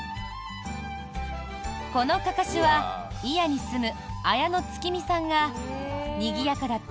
このかかしは祖谷に住む綾野月美さんがにぎやかだった